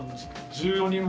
１４人前？